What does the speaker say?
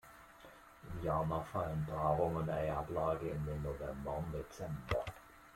In Ghana fallen Paarung und Eiablage in den November und Dezember.